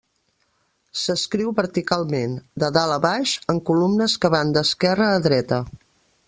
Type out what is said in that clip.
S'escriu verticalment, de dalt a baix, en columnes que van d'esquerra a dreta.